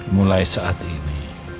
mulai saat ini